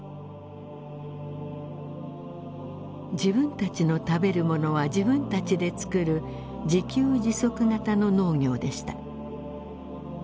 自分たちの食べる物は自分たちで作る自給自足型の農業でした。